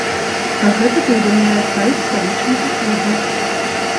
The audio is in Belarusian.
Пра гэта паведамляе сайт сталічнага клуба.